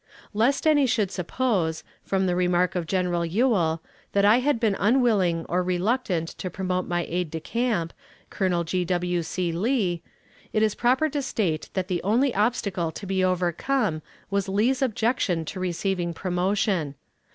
Lest any should suppose, from the remark of General Ewell, that I had been unwilling or reluctant to promote my aide de camp. Colonel G. W. C. Lee, it is proper to state that the only obstacle to be overcome was Lee's objection to receiving promotion.